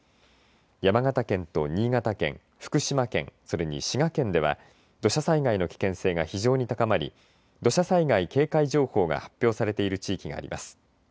山形県と新潟県福島県、それに滋賀県では土砂災害の危険性が非常に高まり土砂災害警戒情報が発表されている地域があります。